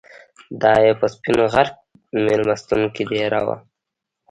دای په سپین غر میلمستون کې دېره و.